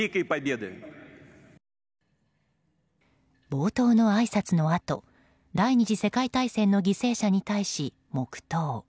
冒頭のあいさつのあと第２次世界大戦の犠牲者に対し黙祷。